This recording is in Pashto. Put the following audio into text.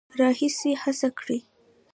راهیسې هڅه کړې